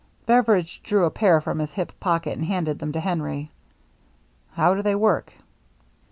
Beveridge drew a pair from his hip pocket, and handed them to Henry. " How do they work